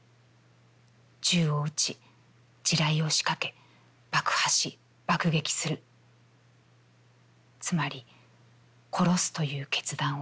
銃を撃ち、地雷をしかけ、爆破し、爆撃するつまり殺すという決断を」。